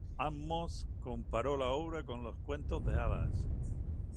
Ammons comparó la obra con los cuentos de hadas.